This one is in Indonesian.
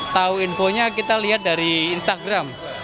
tahu infonya kita lihat dari instagram